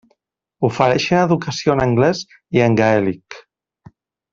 Ofereixen educació en anglès i en gaèlic.